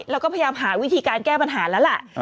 เราก็พยายามหาวิธีการแก้ปัญหาแล้วล่ะ